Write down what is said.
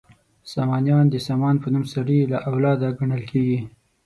سامانیان د سامان په نوم سړي له اولاده ګڼل کیږي.